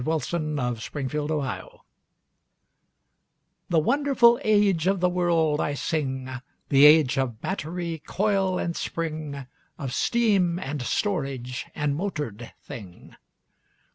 THE AGE OF MOTORED THINGS The wonderful age of the world I sing— The age of battery, coil and spring, Of steam, and storage, and motored thing.